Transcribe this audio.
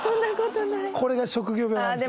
これが職業病なんですよ。